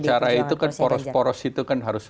kalau bicara itu kan poros poros itu kan harus